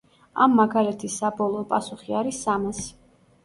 ამ მაგალითის საბოლოო პასუხი არის სამასი.